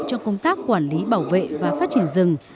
cho công tác quản lý bảo vệ và phát triển rừng